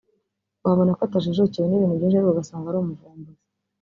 wabona ko atajijukiwe n’ibintu byinshi ariko ugasanga ari umuvumbuzi